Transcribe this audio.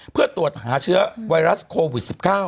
เพื่อตรวจหาเชื้อไวรัสโควิด๑๙